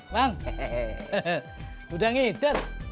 bang udah ngider